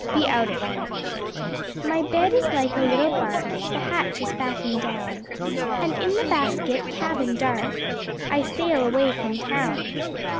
The Outing My Bed is like a little Bark, The hatch is battened down, And in the basket cabin dark I sail away from Town.